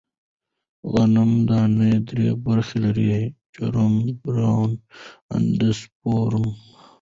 غنمو دانې درې برخې لري: جرم، بران، اندوسپرم.